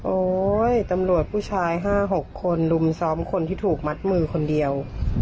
ตำรวจผู้ชาย๕๖คนรุมซ้อมคนที่ถูกมัดมือคนเดียว